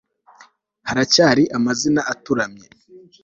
haracyari amazina atarumye